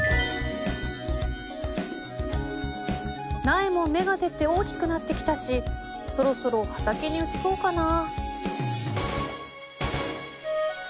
苗も芽が出て大きくなってきたしそろそろ畑に移そうかな